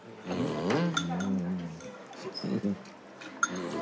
うん。